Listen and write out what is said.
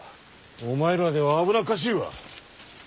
お前らでは危なっかしいわ。